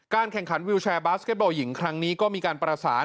การแข่งขันวิลแชร์แบซเก็บเบลล์หญิงครั้งนี้ก็มีการประสาน